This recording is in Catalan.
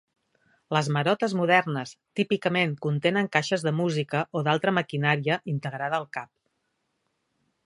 Les marotes modernes típicament contenen caixes de música o d'altra maquinària integrada al cap.